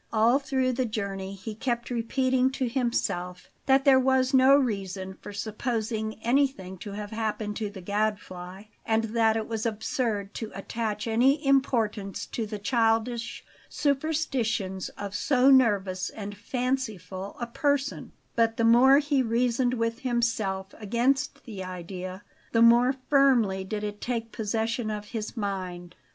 All through the journey he kept repeating to himself that there was no reason for supposing anything to have happened to the Gadfly, and that it was absurd to attach any importance to the childish superstitions of so nervous and fanciful a person; but the more he reasoned with himself against the idea, the more firmly did it take possession of his mind.